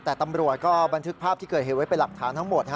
แต่ตำรวจก็บันทึกภาพที่เกิดเหตุไว้เป็นหลักฐานทั้งหมด